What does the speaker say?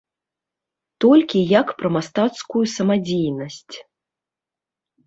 Толькі як пра мастацкую самадзейнасць.